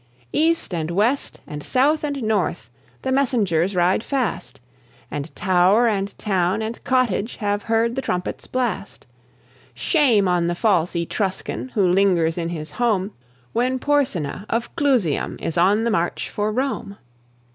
East and west and south and north The messengers ride fast, And tower and town and cottage Have heard the trumpet's blast. Shame on the false Etruscan Who lingers in his home When Porsena of Clusium Is on the march for Rome!